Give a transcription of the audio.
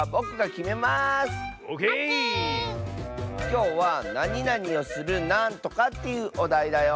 きょうはなになにをするなんとかっていうおだいだよ。